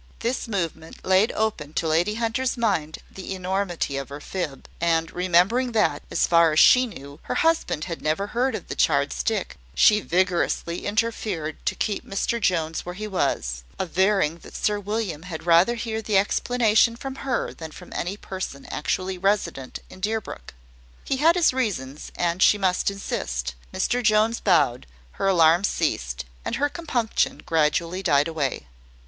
This movement laid open to Lady Hunter's mind the enormity of her fib: and remembering that, as far as she knew, her husband had never heard of the charred stick, she vigorously interfered to keep Mr Jones where he was, averring that Sir William had rather hear the explanation from her than from any person actually resident in Deerbrook. He had his reasons, and she must insist. Mr Jones bowed; her alarm ceased, and her compunction gradually died away.